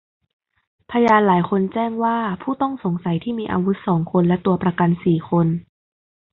พยานหลายคนแจ้งว่าผู้ต้องสงสัยที่มีอาวุธสองคนและตัวประกันสี่คน